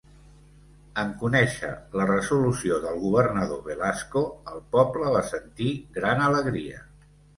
En conèixer la resolució del governador Velasco, el poble va sentir gran alegria.